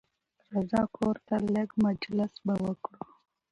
راځه کورته لېږ مجلس به وکړو